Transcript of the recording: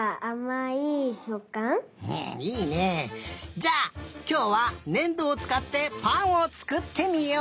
じゃあきょうはねんどをつかってぱんをつくってみよう！